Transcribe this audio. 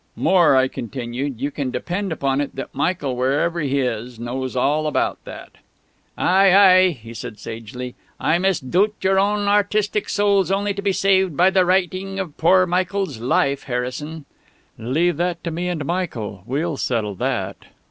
"More," I continued, "you can depend upon it that Michael, wherever he is, knows all about that." "Ay, ay," he said sagely, "I misdoubt your own artistic soul's only to be saved by the writing of poor Michael's 'Life,' Harrison." "Leave that to me and Michael; we'll settle that.